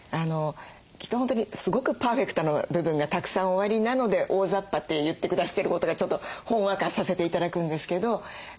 きっと本当にすごくパーフェクトな部分がたくさんおありなので大ざっぱって言って下さってることがちょっとほんわかさせて頂くんですけど。